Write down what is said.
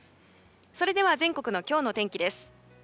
それでは全国の今日の天気です。